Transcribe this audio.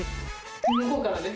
向こうからです。